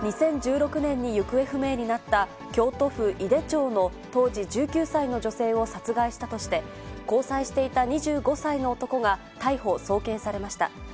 ２０１６年に行方不明になった、京都府井手町の当時１９歳の女性を殺害したとして、交際していた２５歳の男が逮捕・送検されました。